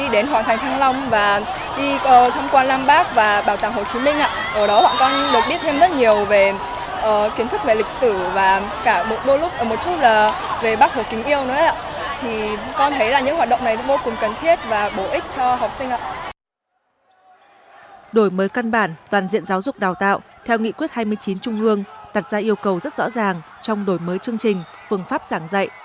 đổi mới căn bản toàn diện giáo dục đào tạo theo nghị quyết hai mươi chín trung ương tật ra yêu cầu rất rõ ràng trong đổi mới chương trình phương pháp giảng dạy